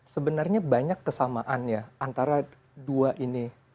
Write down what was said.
sebenarnya banyak kesamaan ya antara dua ini